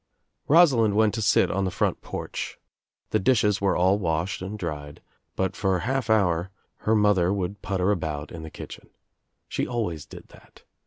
Rosalind went to sit on the front porch. The dishes were all washed and dried but for a half hour her mother would putter about in the kitchen. She always did that.